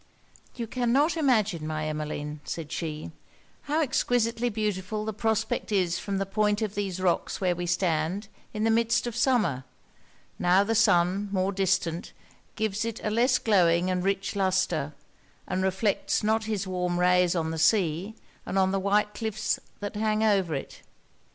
'You cannot imagine, my Emmeline,' said she, 'how exquisitely beautiful the prospect is from the point of these rocks where we stand, in the midst of summer; now the sun, more distant, gives it a less glowing and rich lustre, and reflects not his warm rays on the sea, and on the white cliffs that hang over it.